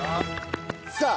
さあ